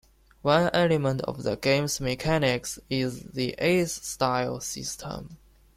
One element of the game's mechanics is the Ace Style system.